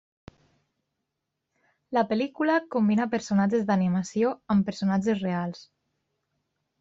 La pel·lícula combina personatges d'animació amb personatges reals.